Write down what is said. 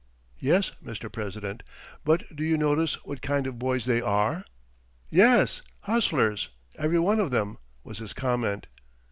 "Yes, Mr. President, but do you notice what kind of boys they are?" "Yes, hustlers, every one of them," was his comment.